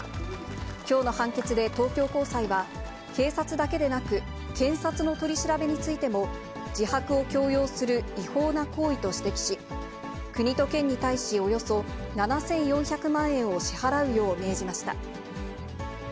きょうの判決で東京高裁は、警察だけでなく、検察の取り調べについても、自白を強要する違法な行為と指摘し、国と県に対し、およそ７４００万円を支払うよう命じました。